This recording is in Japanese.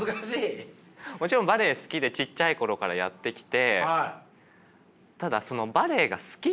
もちろんバレエ好きでちっちゃい頃からやってきて。